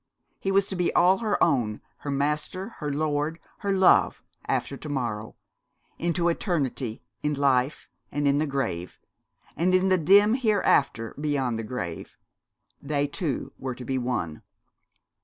He was to be all her own her master, her lord, her love, after to morrow unto eternity, in life, and in the grave, and in the dim hereafter beyond the grave, they two were to be one.